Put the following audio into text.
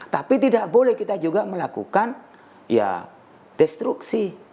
tapi tidak boleh kita juga melakukan ya destruksi